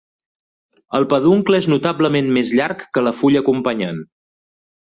El peduncle és notablement més llarg que la fulla acompanyant.